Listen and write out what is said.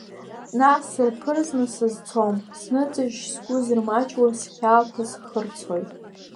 Наҟ сырԥырҵны сызцом сныҵышьшь, сгәы зырмаҷуа схьаақәа схырцоит.